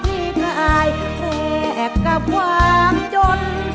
ที่กลายแรกกับว่างจน